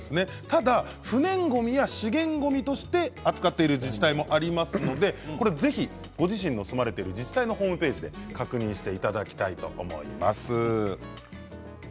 ただ不燃ごみや資源ごみとして扱っている自治体もありますのでぜひ、ご自身の住まわれている自治体のホームページで確認していただきたいと思います。